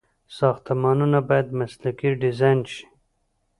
ساختمانونه باید مسلکي ډيزاين شي.